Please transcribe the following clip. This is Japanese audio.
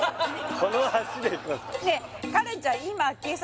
この足で行くんですか？